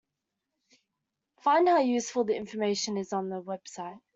Find how useful the information is on the website.